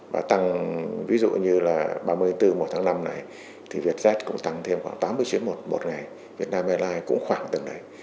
và tăng ví dụ như là ba mươi bốn một tháng năm này thì vietjet cũng tăng thêm khoảng tám mươi chuyến một một ngày việt nam airlines cũng khoảng từng đấy